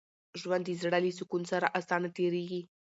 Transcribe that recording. ژوند د زړه له سکون سره اسانه تېرېږي.